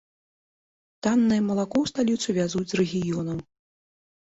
Таннае малако ў сталіцу вязуць з рэгіёнаў.